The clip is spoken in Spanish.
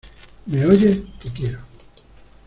¿ me oyes? ¡ te quiero!